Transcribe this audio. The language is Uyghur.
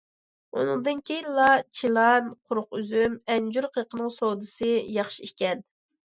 ئۇنىڭدىن كېيىنلا چىلان، قۇرۇق ئۈزۈم، ئەنجۈر قېقىنىڭ سودىسى ياخشى ئىكەن.